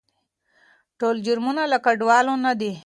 ټول جرمونه له کډوالو نه دي.